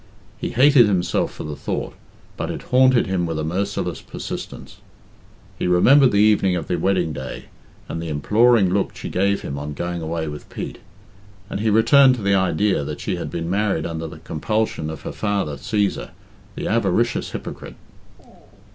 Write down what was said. He hated himself for the thought, but it haunted him with a merciless persistence. He remembered the evening of the wedding day, and the imploring look she gave him on going away with Pete; and he returned to the idea that she had been married under the compulsion of her father, Cæsar, the avaricious hypocrite.